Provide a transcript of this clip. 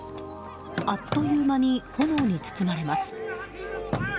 あっという間に炎に包まれます。